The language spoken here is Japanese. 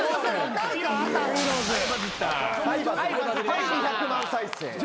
はい２００万再生。